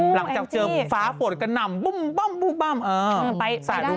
หลังจากเจอหมู่ฟ้าฝนกันนำ